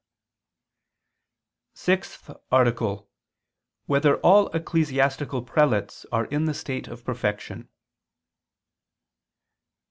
184, Art. 6] Whether All Ecclesiastical Prelates Are in the State of Perfection?